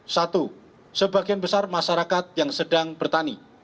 satu sebagian besar masyarakat yang sedang bertani